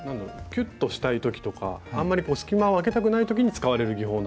キュッとしたい時とかあんまり隙間をあけたくない時に使われる技法なんですね。